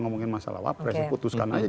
ngomongin masalah wapres di putuskan aja